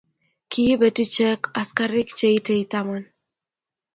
Kiipet ichek askarik che itei taman